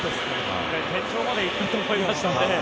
天井まで行ったと思いましたね。